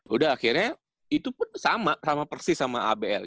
udah akhirnya itu pun sama sama persis sama abl